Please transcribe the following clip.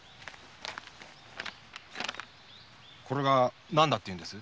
これが何だっていうんです？